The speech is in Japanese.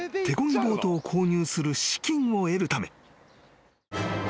ボートを購入する資金を得るため］